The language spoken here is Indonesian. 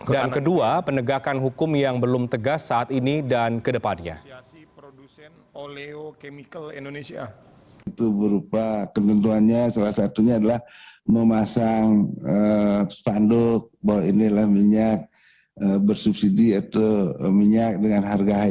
dan kedua penegakan hukum yang belum tegas saat ini dan keterangan